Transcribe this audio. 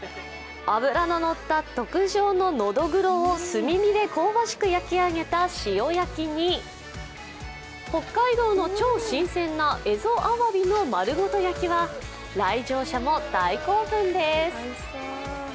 脂の乗った特上ノドグロを炭火で香ばしく焼き上げた塩焼きに北海道の超新鮮な蝦夷あわびの丸ごと焼きは来場者も大興奮です。